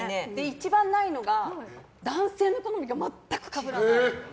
一番ないのが男性の好みが全くかぶらない。